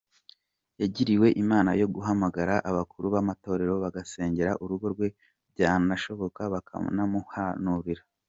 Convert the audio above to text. Yagiriwe Imana yo guhamagara abakuru b’amatorero bagasengera urugo rwe byanashoboka bakanamuhanurira.